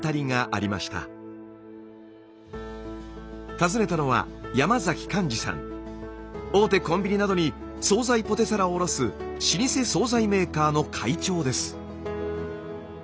訪ねたのは大手コンビニなどに総菜ポテサラを卸す老舗総菜メーカーの会長です。